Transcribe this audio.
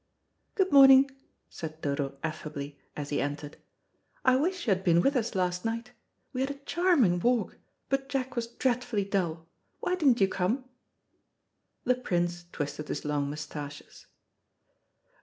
"Good morning," said Dodo affably, as he entered. "I wish you had been with us last night. We had a charming walk, but Jack was dreadfully dull. Why didn't you come?" The Prince twisted his long moustaches.